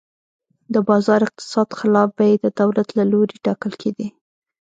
د بازار اقتصاد خلاف بیې د دولت له لوري ټاکل کېدې.